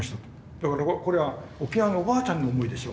だからこれは沖縄のおばあちゃんの思いですよ。